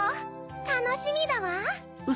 たのしみだわ。